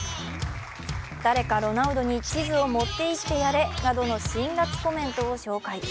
誰かロナウドに地図を持っていってやれなどの辛辣コメントを紹介。